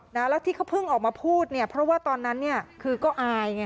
แล้วที่เขาเพิ่งออกมาพูดเนี่ยเพราะว่าตอนนั้นเนี่ยคือก็อายไง